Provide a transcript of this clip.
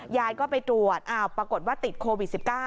ยายก็ไปตรวจปรากฏว่าติดโควิด๑๙